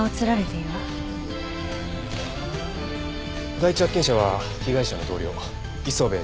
第一発見者は被害者の同僚磯辺准教授。